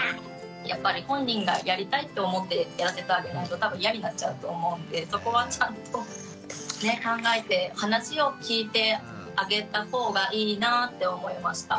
やっぱり本人がやりたいと思ってやらせてあげないと多分イヤになっちゃうと思うんでそこはちゃんとね考えて話を聞いてあげた方がいいなぁって思いました。